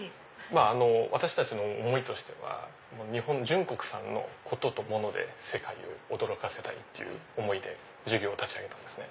私たちの思いとしては「純国産のコトとモノで世界を驚かせたい」っていう思いで事業を立ち上げたんです。